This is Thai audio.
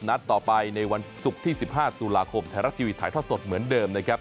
นัดต่อไปในวันศุกร์ที่๑๕ตุลาคมไทยรัฐทีวีถ่ายทอดสดเหมือนเดิมนะครับ